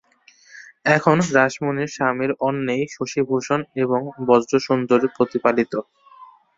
এখন রাসমণির স্বামীর অন্নেই শশিভূষণ এবং ব্রজসুন্দরী প্রতিপালিত।